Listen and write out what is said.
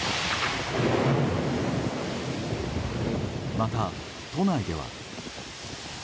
また都内では。